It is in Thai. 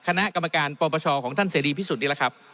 คณะกรรมการปปชของท่านเสรีพิสุทธิ์นี่แหละครับ